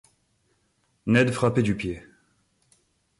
Ned frappait du pied.